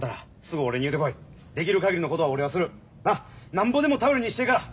何ぼでも頼りにしてええから。